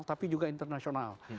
tapi juga internasional